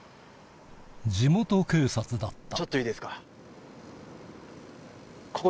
地元警察だったちょっといいですか？